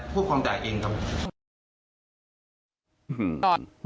พูดความได้เองครับ